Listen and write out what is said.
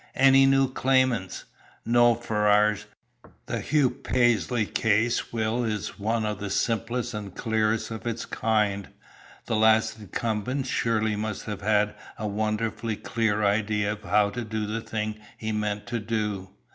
"Any new claimants?" "No, Ferrars. The Hugo Paisley will case is one of the simplest and clearest of its kind. The last incumbent surely must have had a wonderfully clear idea of how to do the thing he meant to do.